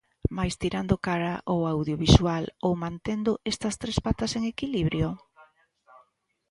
Máis tirando cara o audiovisual ou mantendo estas tres patas en equilibrio?